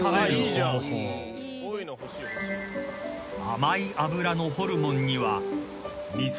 ［甘い脂のホルモンには］